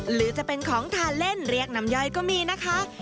หรือจะเป็นของทานเล่นเรียกน้ำย่อยก็มีนะคะ